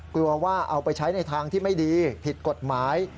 กลัวว่าเอาไปใช้ในทางที่ไม่ดีผิดกฎหมาย